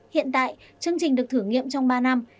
hiện tại chương trình được thử nghiệm trong ba năm